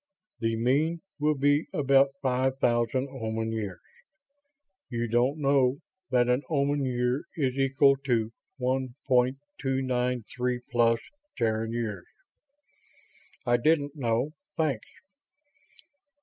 "The mean will be about five thousand Oman years you don't know that an Oman year is equal to one point two nine three plus Terran years?" "I didn't, no. Thanks."